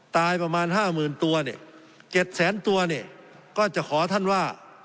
ตายประมาณ๕หมื่นตัว๗แสนตัวก็จะขอท่านว่า